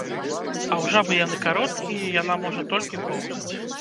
А ў жабы яны кароткія і яна можа толькі поўзаць.